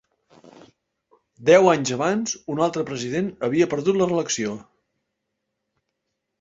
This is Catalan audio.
Deu anys abans, un altre president havia perdut la reelecció.